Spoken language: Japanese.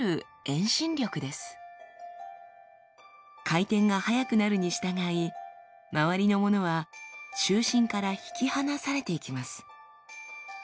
回転が速くなるにしたがい周りのものは中心から引き離されていきます。